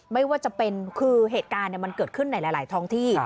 ไม่ว่าจะเป็นคือเหตุการณ์มันเกิดขึ้นในหลายท้องที่